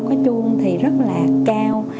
có chuông thì rất là cao